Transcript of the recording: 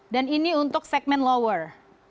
dan ini untuk segmen lower